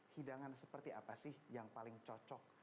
hidangan seperti apa sih yang paling cocok